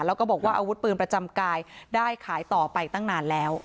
แล้วก็บอกว่าอาวุธปืนประจำกายได้ขายต่อไปตั้งนานแล้ว